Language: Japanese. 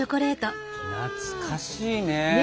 懐かしいね。ね！